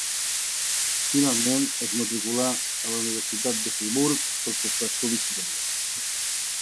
Finalment es matriculà a la Universitat de Friburg per cursar estudis superiors.